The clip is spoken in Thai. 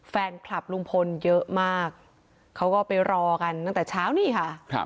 แฟนคลับลุงพลเยอะมากเขาก็ไปรอกันตั้งแต่เช้านี่ค่ะ